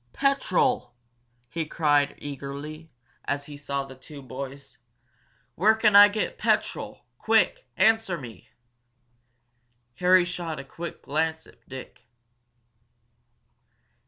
"Petrol!" he cried eagerly, as he saw the two boys. "Where can I get petrol? Quick! Answer me!" Harry shot a quick glance at Dick.